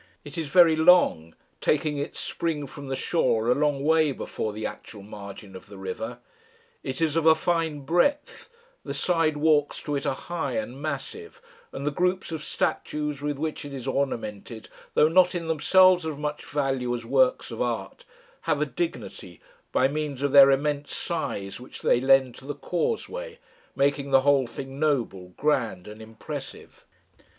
It is very long, taking its spring from the shore a long way before the actual margin of the river; it is of a fine breadth: the side walks to it are high and massive; and the groups of statues with which it is ornamented, though not in themselves of much value as works of art, have a dignity by means of their immense size which they lend to the causeway, making the whole thing noble, grand, and impressive.